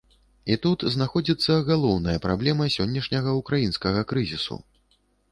І тут знаходзіцца галоўная праблема сённяшняга ўкраінскага крызісу.